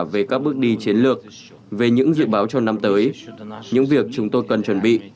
về các bước đi chiến lược về những dự báo cho năm tới những việc chúng tôi cần chuẩn bị